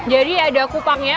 jadi ada kupangnya